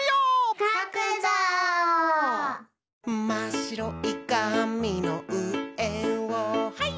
「まっしろいかみのうえをハイ！」